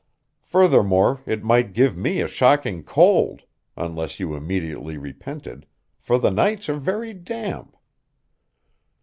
Furthermore it might give me a shocking cold, unless you immediately repented, for the nights are very damp.